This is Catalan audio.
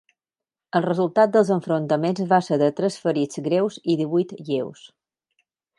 El resultat dels enfrontaments va ser de tres ferits greus i divuit lleus.